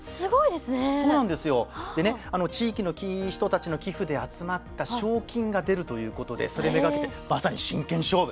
でねあの地域の人たちの寄付で集まった賞金が出るということでそれ目がけてまさに真剣勝負。